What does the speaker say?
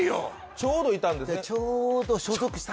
ちょうどいたんですね？